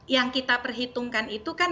yang kita perhitungkan itu kan